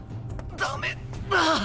ダメだ。